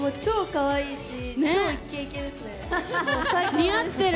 似合ってる。